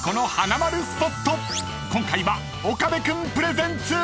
［今回は岡部君プレゼンツ］